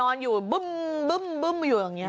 นอนอยู่บึ้มอยู่อย่างนี้